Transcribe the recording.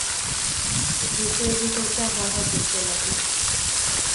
বুকের ভিতরটা হা হা করতে লাগল।